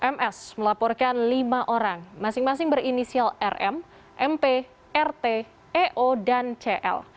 ms melaporkan lima orang masing masing berinisial rm mp rt eo dan cl